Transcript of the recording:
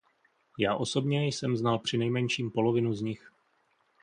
Já osobně jsem znal přinejmenším polovinu z nich.